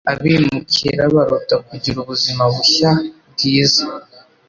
Abimukira barota kugira ubuzima bushya, bwiza.